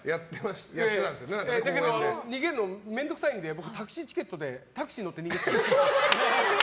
だけど、逃げるの面倒くさいので僕タクシーチケットでタクシー乗って逃げてた。